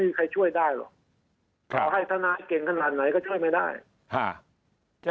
มันมีใครช่วยได้หรอกพอให้ท้านายเก่งขนาดไหนก็ช่วยไม่ได้นะครับ